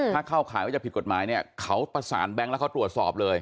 ถ้าเข้าข่ายว่าจะผิดกฎหมายเนี่ยเขาประสานแก๊งแล้วเขาตรวจสอบเลย